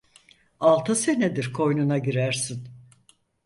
Altı senedir koynuna girersin!